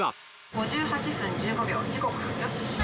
５８分１５秒、時刻よし！